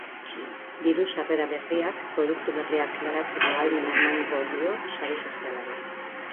Diru-sarrera berriak produktu berriak garatzeko ahalmena emangon dio sare sozialari.